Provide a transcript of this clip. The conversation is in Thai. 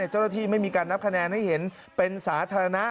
เจ้าหน้าที่ไม่มีการนับคะแนนให้เห็นเป็นสาธารณะ